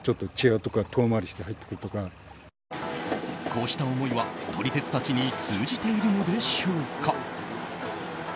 こうした思いは、撮り鉄たちに通じているのでしょうか。